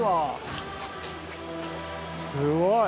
すごい。